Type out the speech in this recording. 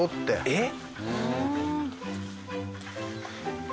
えっ？